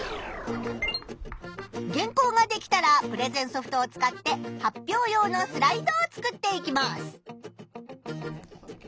原稿ができたらプレゼンソフトを使って発表用のスライドを作っていきます。